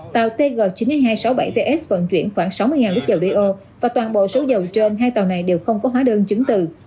tàu tg chín mươi nghìn hai trăm sáu mươi bảy ts vận chuyển khoảng sáu mươi lít dầu đeo và toàn bộ số dầu trên hai tàu này đều không có hóa đơn chứng từ